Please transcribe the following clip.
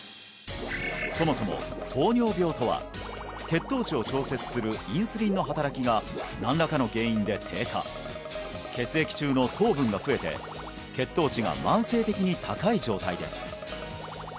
そもそも糖尿病とは血糖値を調節するインスリンの働きが何らかの原因で低下血液中の糖分が増えて血糖値が慢性的に高い状態です